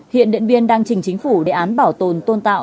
hiện điện biên đang trình chính phủ đề án bảo tồn tôn tạo